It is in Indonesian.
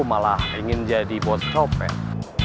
malah ingin jadi bot copet